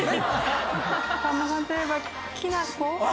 さんまさんといえばきなこ。